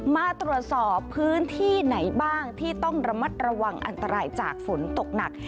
มาตรวจสอบพื้นที่ไหนบ้างที่ต้องระมัดระวังอันตรายจากฝนตกหนัก